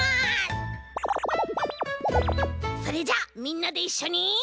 それじゃあみんなでいっしょに。